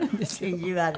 意地悪。